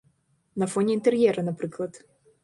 На фоне інтэр'ера, напрыклад.